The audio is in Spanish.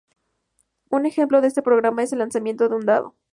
Un ejemplo de este problema es el lanzamiento de un dado.